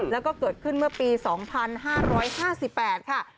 แล้วก็เกิดขึ้นเมื่อปี๒๕๕๘ค่ะ